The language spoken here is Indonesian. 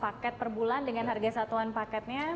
lima ratus enam ratus paket per bulan dengan harga satuan paketnya